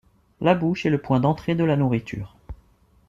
La bouche est le point d'entrée de la nourriture.